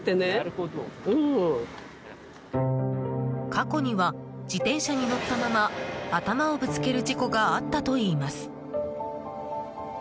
過去には自転車に乗ったまま頭をぶつける事故があったといいます。